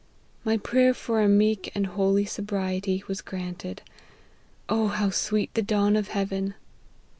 My prayer for a meek and holy sobriety was granted. O how sweet the dawn of heaven